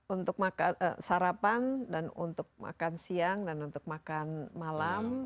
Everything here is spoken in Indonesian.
untuk sarapan dan untuk makan siang dan untuk makan malam